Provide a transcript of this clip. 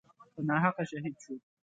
په ناحقه شهید شو.